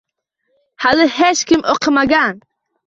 Hali hech kim oʻqimagan.